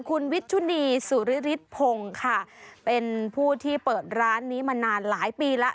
คุณวิชุนีสุริฤทธพงศ์ค่ะเป็นผู้ที่เปิดร้านนี้มานานหลายปีแล้ว